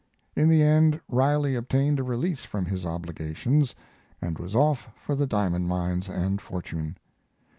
In the end Riley obtained a release from his obligations and was off for the diamond mines and fortune.